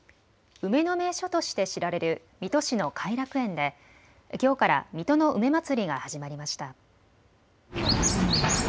梅の名所として知られる水戸市の偕楽園できょうから水戸の梅まつりが始まりました。